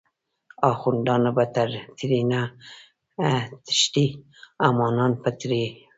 اخوندان به ترینه تښتی، امامان به تری پټیږی